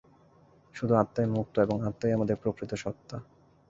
শুধু আত্মাই মুক্ত এবং আত্মাই আমাদের প্রকৃত সত্তা।